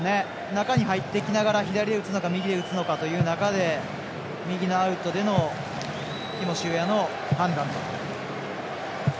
中に入ってきながら左で打つのか右で打つのかという中で右のアウトでのティモシー・ウェアの判断と。